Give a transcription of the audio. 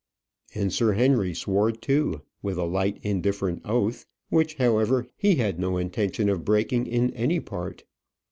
And Sir Henry swore too with a light, indifferent oath, which, however, he had no intention of breaking in any part.